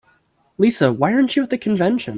Lisa, why aren't you at the convention?